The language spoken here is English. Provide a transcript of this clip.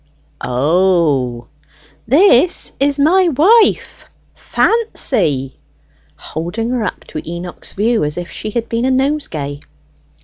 "O h h h h h!" "This is my wife, Fa a a a a ancy!" (holding her up to Enoch's view as if she had been a nosegay.)